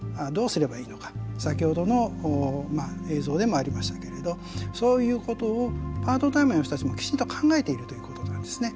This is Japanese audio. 先ほどの映像でもありましたけれどそういうことをパートタイムの人たちもきちんと考えているということなんですね。